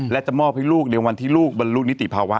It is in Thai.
และจะมอบให้ลูกในวันที่ลูกบรรลุนิติภาวะ